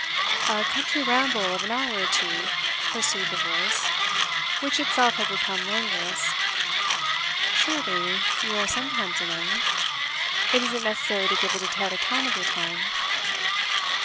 'A country ramble of an hour or two,' pursued the voice, which itself had become languorous. 'Surely you are sometimes alone? It isn't necessary to give a detailed account of your time?